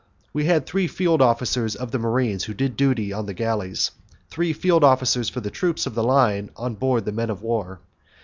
We had three field officers of the marines who did duty on the galleys, and three field officers for the troops of the line on board the men of war.